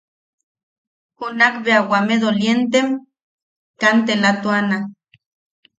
Junak bea wame dolientem kantelatuana.